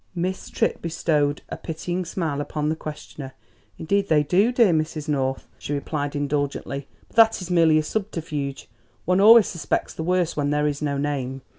Miss Tripp bestowed a pitying smile upon the questioner. "Indeed they do, dear Mrs. North," she replied indulgently; "but that is merely a subterfuge; one always suspects the worst when there is no name.